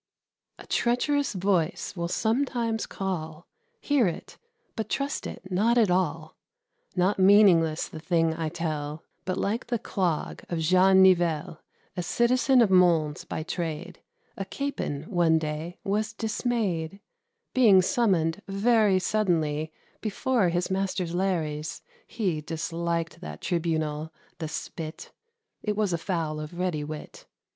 A treacherous voice will sometimes call; Hear it, but trust it not at all. Not meaningless the thing I tell, But like the clog of Jean Nivelle. A citizen of Mons, by trade, A Capon, one day, was dismayed, Being summoned, very suddenly, Before his master's Lares; he Disliked that tribunal, the spit (It was a fowl of ready wit).